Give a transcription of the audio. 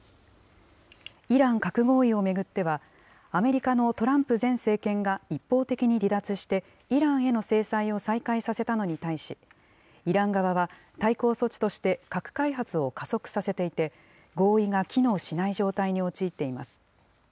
イラン核合意を巡っては、アメリカのトランプ前政権が一方的に離脱して、イランへの制裁を再開させたのに対し、イラン側は、対抗措置として、核開発を加速させていて、合意が機能しない状態に陥っています。